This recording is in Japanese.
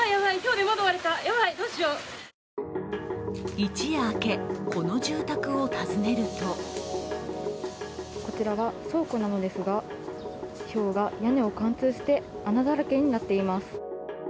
一夜明け、この住宅を訪ねるとこちらは倉庫なのですがひょうが屋根を貫通して穴だらけになっています。